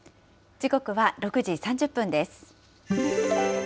時刻は６時３０分です。